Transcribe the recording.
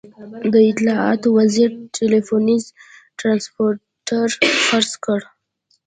د اطلاعاتو وزیر ټلوېزیون ټرانسمیټر خرڅ کړ.